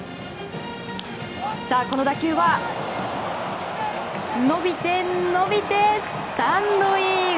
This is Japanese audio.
この打球は、伸びて、伸びてスタンドイン！